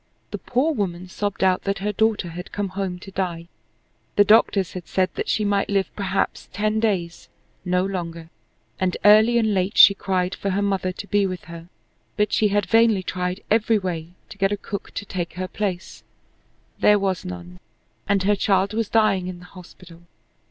The poor woman sobbed out that her daughter had come home to die. The doctors had said that she might live perhaps ten days, no longer, and early and late she cried for her mother to be with her. But she had vainly tried every way to get a cook to take her place there was none, and her child was dying in the hospital.